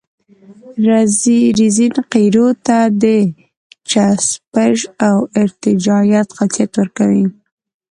رزین قیرو ته د چسپش او ارتجاعیت خاصیت ورکوي